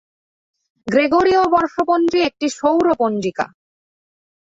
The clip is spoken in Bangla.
গ্রেগরীয় বর্ষপঞ্জী একটি সৌর পঞ্জিকা।